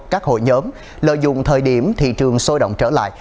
các hội nhóm lợi dụng thời điểm thị trường sôi động trở lại